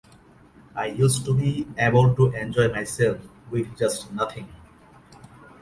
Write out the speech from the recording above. I used to be able to enjoy myself with just nothing.